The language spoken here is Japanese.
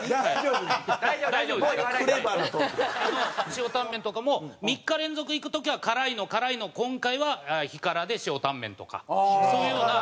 塩タンメンとかも３日連続行く時は辛いの辛いの今回は非辛で塩タンメンとかそういうような